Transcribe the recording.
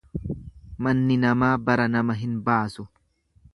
Manni namaa bara nama hin baasu.